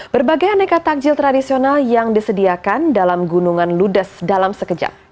berbagai aneka takjil tradisional yang disediakan dalam gunungan ludes dalam sekejap